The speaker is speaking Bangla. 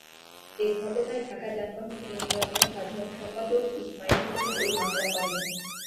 এ ঘটনায় ঢাকা যানবাহন ইউনিয়নের সাধারণ সম্পাদক ইসমাইল হোসেন এই মামলা করেন।